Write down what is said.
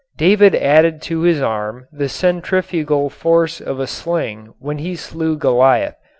David added to his arm the centrifugal force of a sling when he slew Goliath.